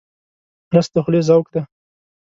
رس د خولې ذوق دی